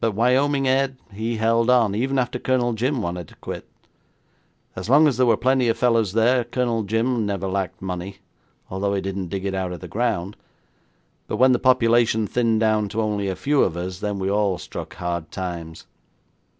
But Wyoming Ed, he held on, even after Colonel Jim wanted to quit. As long as there were plenty of fellows there, Colonel Jim never lacked money, although he didn't dig it out of the ground, but when the population thinned down to only a few of us, then we all struck hard times.